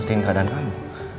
selesain keadaan kamu